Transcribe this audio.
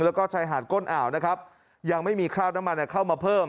แล้วก็ชายหาดก้นอ่าวนะครับยังไม่มีคราบน้ำมันเข้ามาเพิ่ม